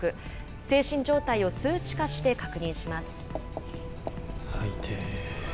精神状態を数値化して確認します。